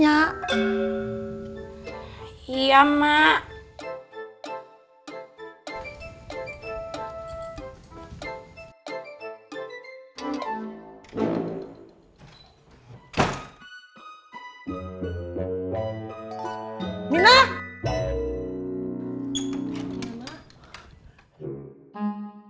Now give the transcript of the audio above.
kalau si pupu tuh tuh